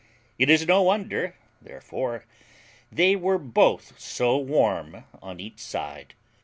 It is no wonder, therefore, they were both so warm on each side.